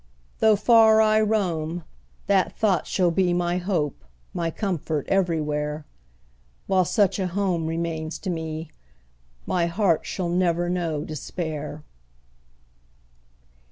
Though far I roam, that thought shall be My hope, my comfort, everywhere; While such a home remains to me, My heart shall never know despair!